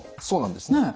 そうなんです。